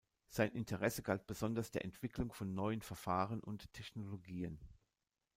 Sein Interesse galt besonders der Entwicklung von neuen Verfahren und Technologien.